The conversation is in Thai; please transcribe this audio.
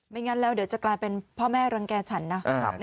งั้นแล้วเดี๋ยวจะกลายเป็นพ่อแม่รังแก่ฉันนะ